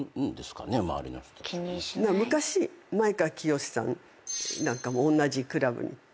昔前川清さんなんかもおんなじクラブにいて。